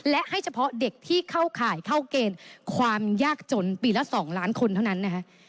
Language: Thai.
และให้เฉพาะเด็กที่เข้าข่ายเข้าเกณฑ์ความยากจนปีละ๒ล้านคนเท่านั้นนะคะ